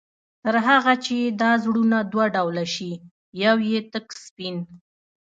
تر هغه چي دا زړونه دوه ډوله شي، يو ئې تك سپين